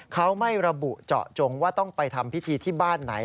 เขาไม่ระบุเจาะจงว่าต้องไปทำพิธีที่บ้านไหน